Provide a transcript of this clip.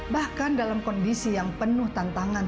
bahkan dalam kondisi yang penuh tantangan